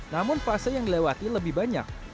namun fase yang dilewati lebih banyak